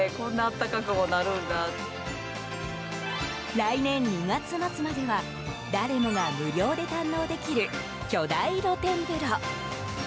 来年２月末までは誰もが無料で堪能できる巨大露天風呂。